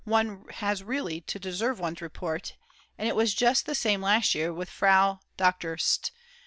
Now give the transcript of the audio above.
one has really to deserve one's report, and it was just the same last year with Fr. Dr. St.